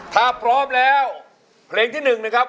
ถ้าพร้อมแล้วเพลงที่๑นะครับ